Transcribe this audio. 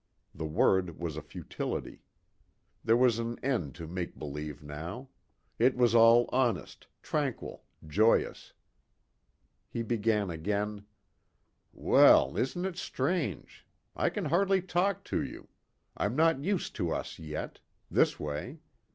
The world was a futility. There was an end to make believe now. It was all honest, tranquil, joyous. He began again: "Well, isn't it strange. I can hardly talk to you. I'm not used to us yet. This way.